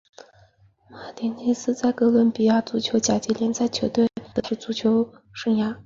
马丁内斯在哥伦比亚足球甲级联赛球队麦德林独立开始职业足球生涯。